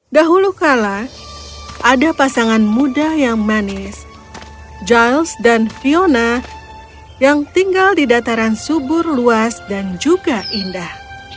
dahulu kala ada pasangan muda yang manis giles dan fiona yang tinggal di dataran subur luas dan juga indah